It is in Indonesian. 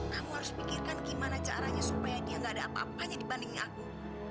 kamu harus pikirkan gimana caranya supaya dia gak ada apa apanya dibanding aku